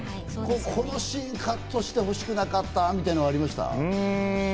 このシーンカットしてほしくなかった、みたいなのありました？